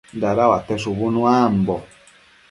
Dadauate shubu nuambo